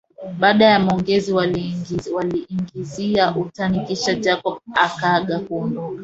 Baada ya maongezi waliingizia utani kisha Jacob akaaga kuondoka